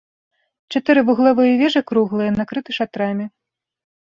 Чатыры вуглавыя вежы круглыя, накрыты шатрамі.